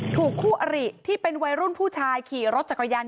คู่อริที่เป็นวัยรุ่นผู้ชายขี่รถจักรยาน